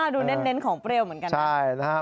ดูเน้นของเปรี้ยวเหมือนกันนะ